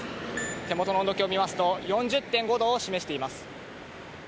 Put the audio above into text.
手元の温度計を見ますと４０．５度を示しています。